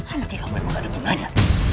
anaknya kamu yang mau ada ngomong aja